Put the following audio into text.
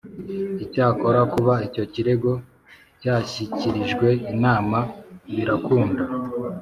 Icyakora kuba icyo kirego cyashyikirijwe inama birakuda